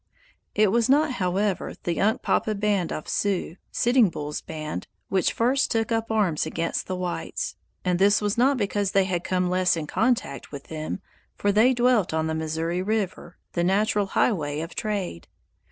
It was not, however, the Unkpapa band of Sioux, Sitting Bull's band, which first took up arms against the whites; and this was not because they had come less in contact with them, for they dwelt on the Missouri River, the natural highway of trade.